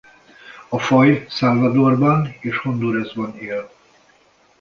A faj Salvadorban és Hondurasban él.